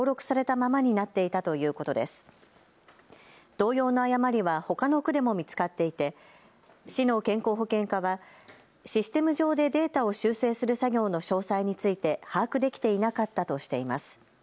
同様の誤りはほかの区でも見つかっていて市の健康保険課はシステム上でデータを修正する作業の詳細について把握できていなかったとしています。